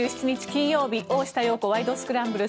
金曜日「大下容子ワイド！スクランブル」。